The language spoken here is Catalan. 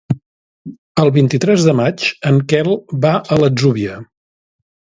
El vint-i-tres de maig en Quel va a l'Atzúbia.